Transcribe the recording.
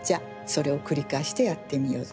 それを繰り返してやってみよう。